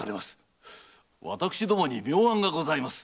私どもに妙案がございます。